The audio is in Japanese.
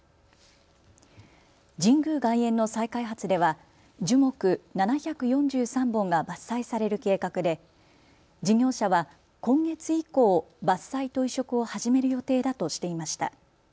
神宮外苑の再開発では樹木７４３本が伐採される計画で事業者は今月以降、伐採と移植を始める予定だとしていました。